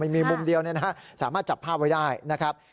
ไม่มีมุมเดียวเนี่ยนะฮะสามารถจับภาพไว้ได้นะครับ